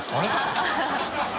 ハハハ